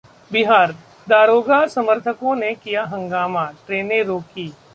बिहार: दारोगा समर्थकों ने किया हंगामा, ट्रेनें रोकीं